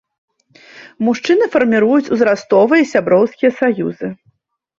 Мужчыны фарміруюць узрастовыя і сяброўскія саюзы.